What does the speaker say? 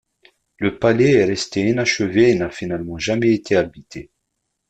Le palais est resté inachevé et n'a finalement jamais été habité.